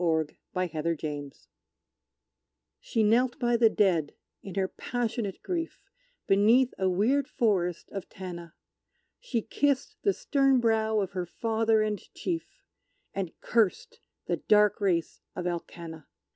The Ballad of Tanna She knelt by the dead, in her passionate grief, Beneath a weird forest of Tanna; She kissed the stern brow of her father and chief, And cursed the dark race of Alkanna.